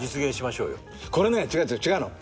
これね違うの。